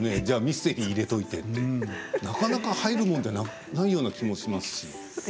じゃあミステリー入れといてってなかなか入るもんじゃないような気もしますし。